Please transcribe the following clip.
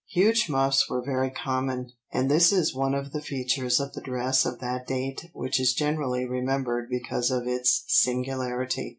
Huge muffs were very common, and this is one of the features of the dress of that date which is generally remembered because of its singularity.